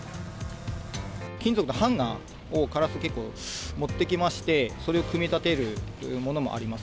金属のハンガーをカラス、結構、持ってきまして、それを組み立てるものもあります。